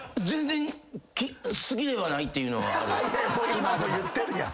今も言ってるやん。